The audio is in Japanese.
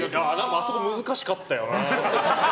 あそこ難しかったよなって。